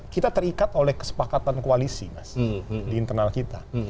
kita terikat oleh kesepakatan koalisi mas di internal kita